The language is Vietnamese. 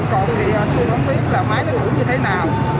nó như thế nào